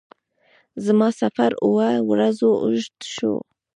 زما سفر اووه ورځو اوږد شو.